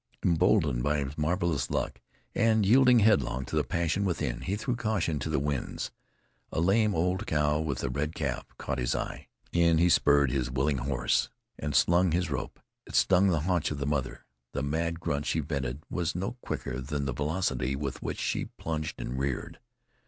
Emboldened by his marvelous luck, and yielding headlong to the passion within, he threw caution to the winds. A lame old cow with a red calf caught his eye; in he spurred his willing horse and slung his rope. It stung the haunch of the mother. The mad grunt she vented was no quicker than the velocity with which she plunged and reared.